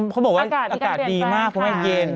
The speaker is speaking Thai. เขาบอกว่าอากาศดีมากเพราะมันเย็น